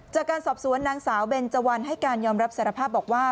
จากการสอบสวนนางสาวเบนเจวันให้การยอมรับสารภาพบอกว่า